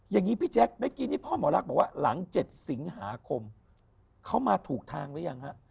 อย่างนี้พี่แจ๊คเมื่อกี้นี่พ่อหมอรักบอกว่าหลัง๗สิงหาคมเขามาถูกทางหรือยังฮะ